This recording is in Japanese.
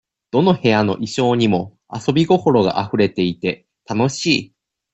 どの部屋の意匠にも、遊び心があふれていて、楽しい。